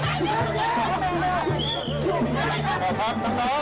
ขอบคุณครับขอบคุณครับ